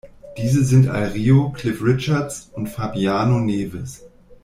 Diese sind Al Rio, Cliff Richards und Fabiano Neves.